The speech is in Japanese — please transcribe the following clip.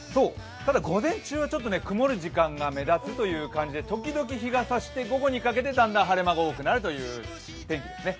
ただ午前中は曇る時間が目立つという感じで時々、日が差して、午後にかけてだんだん晴れ間が多くなるという天気ですね。